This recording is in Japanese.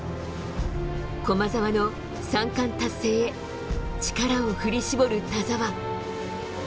駒澤の三冠達成へ、力を振り絞る田澤。